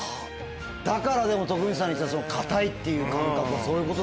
だから徳光さんが言ってた硬いっていう感覚そういうこと。